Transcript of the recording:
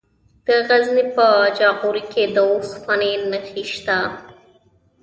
د غزني په جاغوري کې د اوسپنې نښې شته.